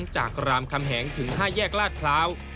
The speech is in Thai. จากรามคำแหงถึง๕แยกลาดพร้าว